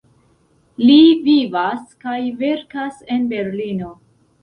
Li vivas kaj verkas en Berlino.